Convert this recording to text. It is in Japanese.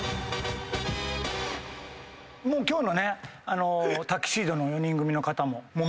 今日のタキシードの４人組の方も。